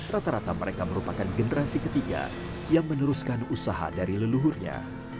rata rata mereka merupakan generasi ketiga yang meneruskan usaha dari leluhurnya